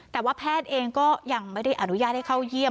แต่ว่าแพทย์เองก็ยังไม่ได้อนุญาตให้เข้าเยี่ยม